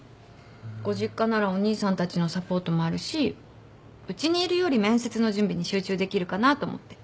ご実家ならお兄さんたちのサポートもあるしうちにいるより面接の準備に集中できるかなと思って。